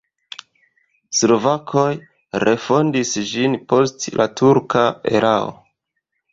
Slovakoj refondis ĝin post la turka erao.